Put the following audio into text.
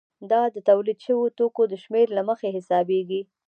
دا د تولید شویو توکو د شمېر له مخې حسابېږي